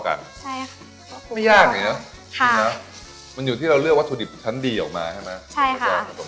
แค่เนี้ยได้แล้วเรียบร้อยแล้วก็ค่ะ